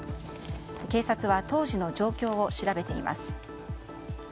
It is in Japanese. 警察は当時の状況を調べています。